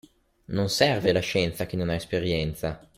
Non serve la scienza a chi non ha esperienza.